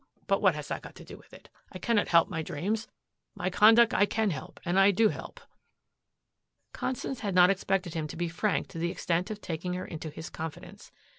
But what has that to do with it? I cannot help my dreams. My conduct I can help and I do help." Constance had not expected him to be frank to the extent of taking her into his confidence.